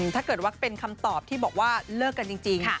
ถ้าเกิดว่าเป็นคำตอบที่บอกว่าเลิกกันจริง